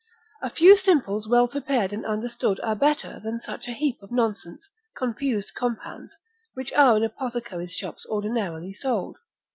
A few simples well prepared and understood, are better than such a heap of nonsense, confused compounds, which are in apothecaries' shops ordinarily sold.